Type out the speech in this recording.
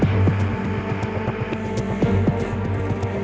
t immunodehik si tangan merekaft walk ana